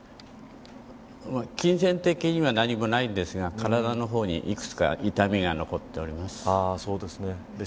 金銭的には何もないんですが体の方にいくつか痛みが残っております。